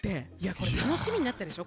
これ楽しみになったでしょ